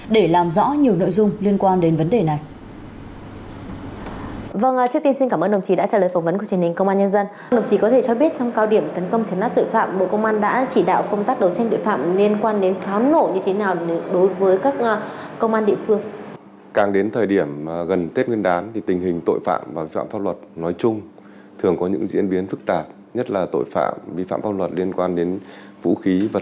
để làm rõ nhiều nội dung liên quan đến vấn đề này